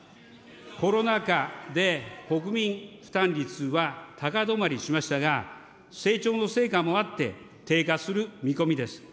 コロナ禍で国民負担率は高止まりしましたが、成長の成果もあって低下する見込みです。